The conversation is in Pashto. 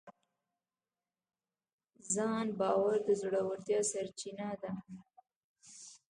ځان باور د زړورتیا سرچینه ده.